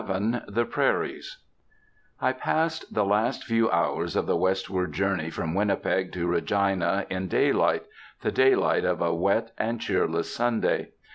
XI THE PRAIRIES I passed the last few hours of the westward journey from Winnipeg to Regina in daylight, the daylight of a wet and cheerless Sunday.